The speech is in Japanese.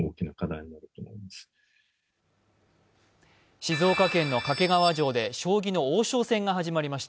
静岡県の掛川城で将棋の王将戦が始まりました。